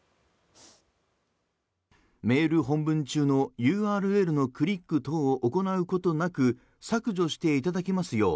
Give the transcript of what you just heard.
メール本文中のＵＲＬのクリック等を行うことなく削除していただきますよう